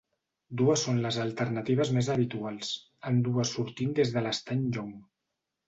Dues són les alternatives més habituals, ambdues sortint des de l'Estany Llong.